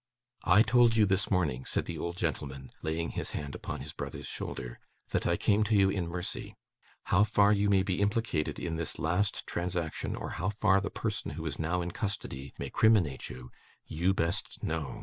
'I told you this morning,' said the old gentleman, laying his hand upon his brother's shoulder, 'that I came to you in mercy. How far you may be implicated in this last transaction, or how far the person who is now in custody may criminate you, you best know.